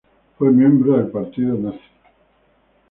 Fue miembro del Partido Nazi.